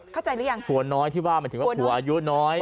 เข้าใจหรือยังผัวน้อยที่ว่าหมายถึงว่าผัวอายุน้อย